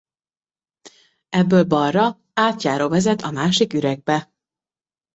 Ebből balra átjáró vezet a másik üregbe.